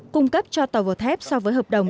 cung cấp cho tàu vỏ thép so với hợp đồng